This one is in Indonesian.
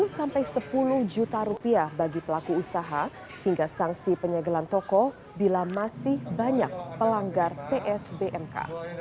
satu sampai sepuluh juta rupiah bagi pelaku usaha hingga sanksi penyegelan toko bila masih banyak pelanggar psbmk